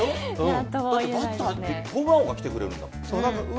だって、バッターはホームラン王が来てくれるから。